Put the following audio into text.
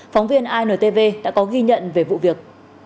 phóng viên intv đã có ghi nhận về vụ việc